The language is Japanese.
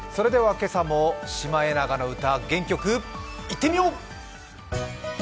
今朝も「シマエナガの歌」、元気よくいってみよう！